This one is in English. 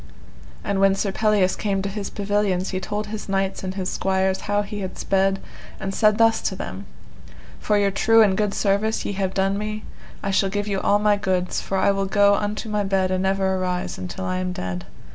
And when Sir Pelleas came to his pavilions he told his knights and his squires how he had sped, and said thus to them, For your true and good service ye have done me I shall give you all my goods, for I will go unto my bed and never arise until I am dead.